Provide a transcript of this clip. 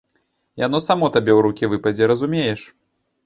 Яно само табе ў рукі выпадзе, разумееш.